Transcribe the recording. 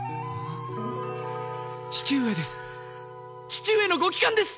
父上です！